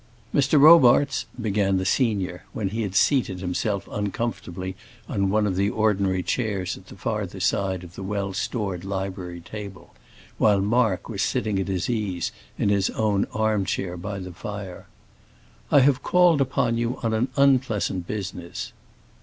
"Mr. Robarts," began the senior, when he had seated himself uncomfortably on one of the ordinary chairs at the farther side of the well stored library table, while Mark was sitting at his ease in his own arm chair by the fire, "I have called upon you on an unpleasant business."